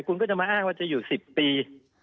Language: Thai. คุณก็จะมาอ้างว่าจะอยู่๑๐ปี